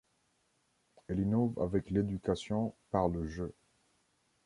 Elle innove avec l'éducation par le jeu.